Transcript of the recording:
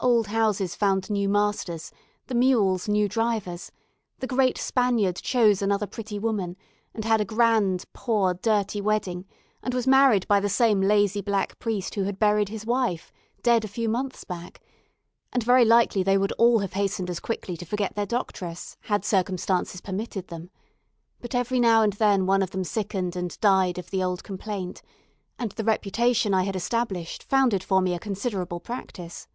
Old houses found new masters; the mules new drivers; the great Spaniard chose another pretty woman, and had a grand, poor, dirty wedding, and was married by the same lazy black priest who had buried his wife, dead a few months back; and very likely they would all have hastened as quickly to forget their doctress, had circumstances permitted them: but every now and then one of them sickened and died of the old complaint; and the reputation I had established founded for me a considerable practice.